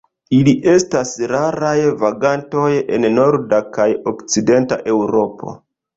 Ili estas raraj vagantoj en norda kaj okcidenta Eŭropo.